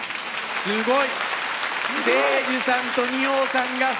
すごい。